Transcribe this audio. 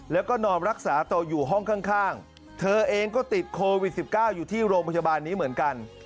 แล้วก็นอนรักษาตัวอยู่ห้องข้างเธอเองก็ติดโควิด๑๙อยู่ที่โรงพยาบาลนี้เหมือนกัน